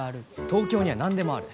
東京には何でもある。